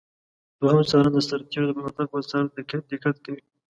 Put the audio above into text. دوهم څارن د سرتیرو د پرمختګ پر څار دقت کوي.